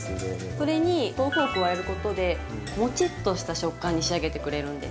それに豆腐を加えることでもちっとした食感に仕上げてくれるんです。